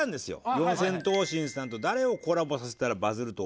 四千頭身さんと誰をコラボさせたらバズると思いますか？